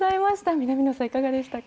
南野さん、いかがでしたか。